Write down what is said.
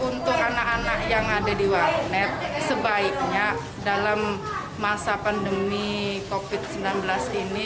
untuk anak anak yang ada di walnet sebaiknya dalam masa pandemi covid sembilan belas ini